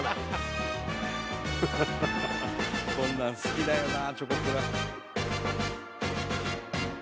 こんなん好きだよなチョコプラ。